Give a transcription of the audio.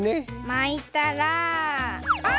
まいたらあ！